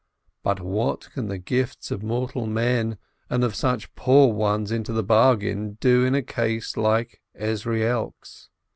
But what can the gifts of mortal men, and of such poor ones into the bargain, do in a case like Ezrielk's?